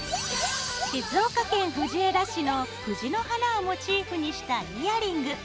静岡県藤枝市の「藤の花」をモチーフにしたイヤリング。